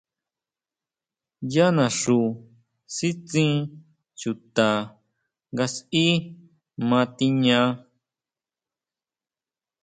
Yá naxú sitsín chuta nga sʼí ma tiña.